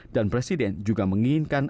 dan presiden juga mengingatkan